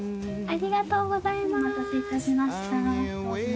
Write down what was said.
ありがとうございます。